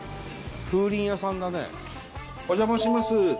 風鈴屋さんだねお邪魔します。